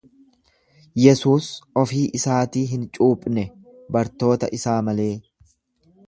Yesuus ofii isaatii hin cuuphne, bartoota isaa malee.